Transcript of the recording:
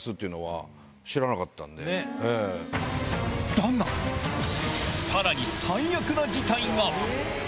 だがさらに最悪な事態が！